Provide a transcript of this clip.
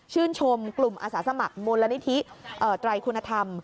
ชมกลุ่มอาสาสมัครมูลนิธิไตรคุณธรรม